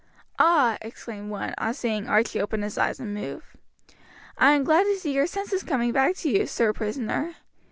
"Ah!" exclaimed one, on seeing Archie open his eyes and move, "I am glad to see your senses coming back to you, sir prisoner.